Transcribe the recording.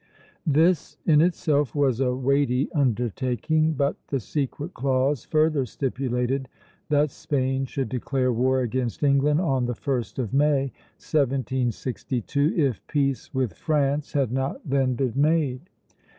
This in itself was a weighty undertaking; but the secret clause further stipulated that Spain should declare war against England on the 1st of May, 1762, if peace with France had not then been made.